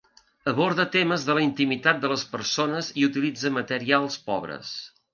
Aborda temes de la intimitat de les persones i utilitza materials pobres.